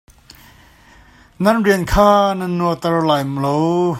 Nan rian kha nan nuar ter lai lo.